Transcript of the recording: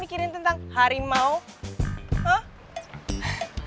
pak agi cek kaca yuk